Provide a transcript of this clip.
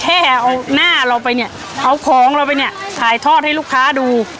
แค่เอาหน้าเราไปเนี่ยเอาของเราไปเนี่ยถ่ายทอดให้ลูกค้าดู